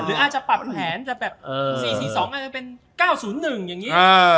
หรืออาจจะปรับแผนแต่แบบ๔๔๒เป็น๙๐๑อย่างนี้